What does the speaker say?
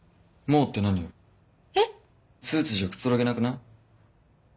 スーツじゃくつろげなくない？